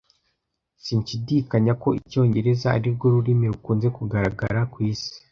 Sinshidikanya ko Icyongereza arirwo rurimi rukunze kugaragara ku isi.